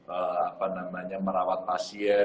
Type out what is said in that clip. apa namanya merawat pasien